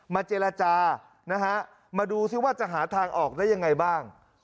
เจรจานะฮะมาดูซิว่าจะหาทางออกได้ยังไงบ้าง